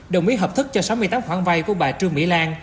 đồng ý hợp thức cho sáu mươi tám khoản vay của bà trương mỹ lan